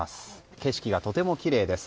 景色がとてもきれいです。